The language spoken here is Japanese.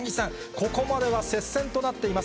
ここまでは接戦となっています。